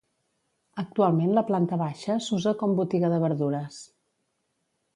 Actualment la planta baixa s'usa com botiga de verdures.